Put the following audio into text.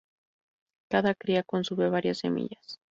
Cada cría consume varias semillas.